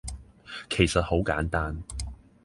其實好簡單